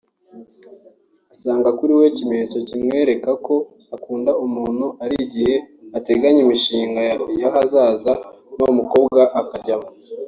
Asanga kuri we ikimenyetso kimwereka ko akunda umuntu ari igihe ateganya imishinga y’ahazaza n’uwo mukobwa akajyamo